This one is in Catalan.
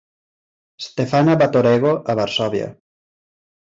Stefana Batorego a Varsòvia.